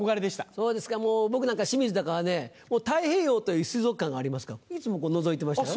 そうですか僕なんか清水だからね太平洋という水族館がありますからいつものぞいてましたよ。